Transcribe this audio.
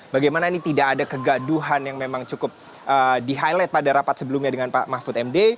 bagaimana ini tidak ada kegaduhan yang memang cukup di highlight pada rapat sebelumnya dengan pak mahfud md